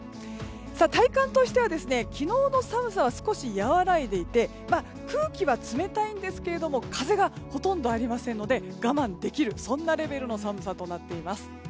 体感としては昨日の寒さは少し和らいでいて空気は冷たいんですけども風がほとんどありませんので我慢できる、そんなレベルの寒さとなっています。